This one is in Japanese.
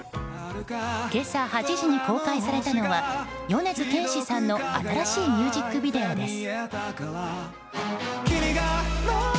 今朝８時に公開されたのは米津玄師さんの新しいミュージックビデオです。